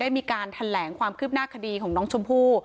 มีการแถลงความคืบหน้าคดีของน้องชมพู่